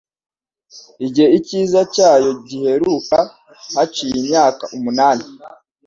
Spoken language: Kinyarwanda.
igihe ikiza cyayo giheruka haciye imyaka umunani.